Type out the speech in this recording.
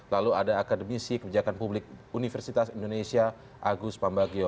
lalu ada akademisi kebijakan publik universitas indonesia agus pambagio